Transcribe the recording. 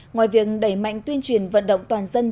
ngoài việc đẩy mạnh tuyên truyền vận động toàn dân